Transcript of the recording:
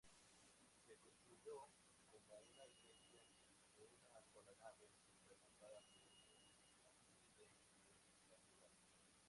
Se construyó como una iglesia de una sola nave, rematada por un ábside rectangular.